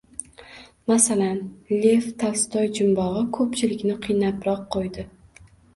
Masalan, Lev Tolstoy jumbogʻi koʻpchilikni qiynabroq qoʻydi